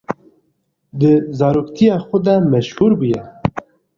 Di zaroktiya xwe de meşhûr bûye.